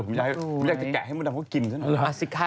ผมอยากจะแกะให้มึงดังก็กินซะนะครับ